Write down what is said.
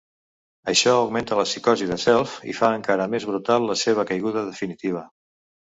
Això augmenta la psicosi de Self i fa encara més brutal la seva caiguda definitiva.